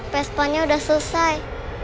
pes panah udah selesai